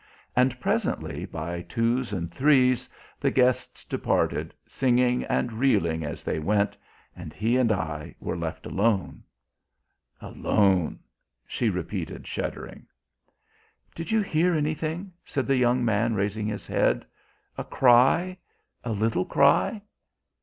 And presently by twos and threes the guests departed, singing and reeling as they went, and he and I were left alone. Alone," she repeated shuddering. "Did you hear anything?" said the young man, raising his head. "A cry, a little cry?